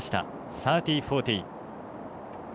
３０−４０。